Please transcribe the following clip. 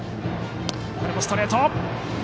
これもストレート。